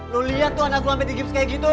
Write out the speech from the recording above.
lo liat tuh anak gue sampe digips kayak gitu